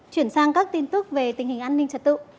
chuyển sang các tin tức về tình hình an ninh trật tự